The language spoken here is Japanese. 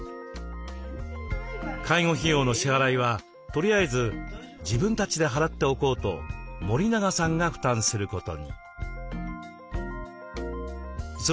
介護費用の支払いはとりあえず自分たちで払っておこうと森永さんが負担することに。